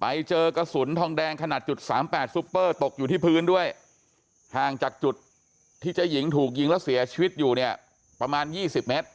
ไปเจอกระสุนทองแดงขนาด๓๘ซุปเปอร์ตกอยู่ที่พื้นด้วยห่างจากจุดที่เจ๊หญิงถูกยิงแล้วเสียชีวิตอยู่เนี่ยประมาณ๒๐เมตร